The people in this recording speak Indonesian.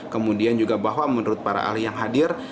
kemudian juga bahwa menurut para ahli yang hadir